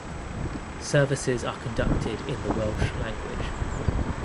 Services are conducted in the Welsh language.